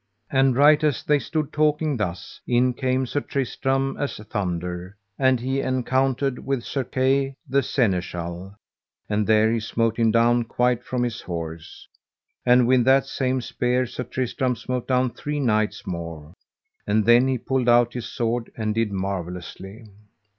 And right as they stood talking thus, in came Sir Tristram as thunder, and he encountered with Sir Kay the Seneschal, and there he smote him down quite from his horse; and with that same spear Sir Tristram smote down three knights more, and then he pulled out his sword and did marvellously.